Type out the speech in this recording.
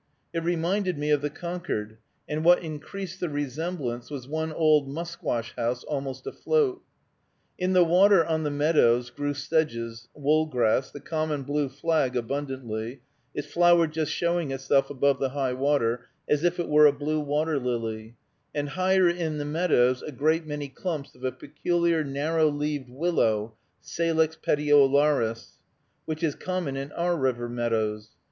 It reminded me of the Concord; and what increased the resemblance was one old musquash house almost afloat. In the water on the meadows grew sedges, wool grass, the common blue flag abundantly, its flower just showing itself above the high water, as if it were a blue water lily, and higher in the meadows a great many clumps of a peculiar narrow leaved willow (Salix petiolaris), which is common in our river meadows.